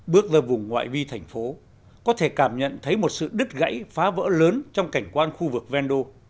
bước ra vùng ngoại vi thành phố có thể cảm nhận thấy một sự đứt gãy phá vỡ lớn trong cảnh quan khu vực vendô